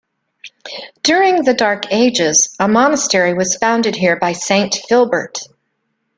During the Dark Ages, a monastery was founded here by Saint Philbert.